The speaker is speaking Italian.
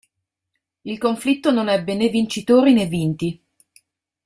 Il conflitto non ebbe né vincitori né vinti.